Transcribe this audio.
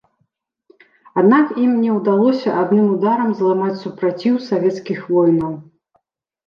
Аднак ім не ўдалося адным ударам зламаць супраціў савецкіх воінаў.